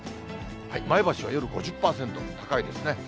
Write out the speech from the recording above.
前橋は夜５０％、高いですね。